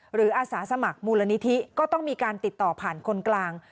อาสาสมัครมูลนิธิก็ต้องมีการติดต่อผ่านคนกลาง